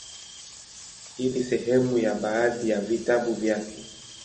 Hii ni sehemu ya baadhi ya vitabu vyake;